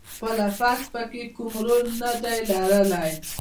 خپله فرد پکې کوم رول ندی لرلای.